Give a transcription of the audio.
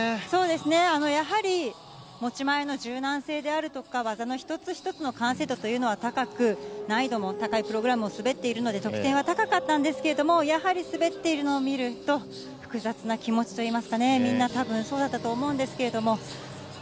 そうですね、やはり、持ち前の柔軟性であるとか、技の一つ一つの完成度というのは高く、難易度も高いプログラムを滑っているので、得点は高かったんですけれども、やはり滑っているのを見ると、複雑な気持ちといいますかね、みんなたぶんそうだったと思うんですけれども。